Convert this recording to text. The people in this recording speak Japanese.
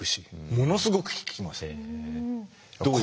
ものすごく聞きます。